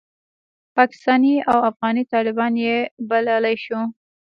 پاکستاني او افغاني طالبان یې بللای شو.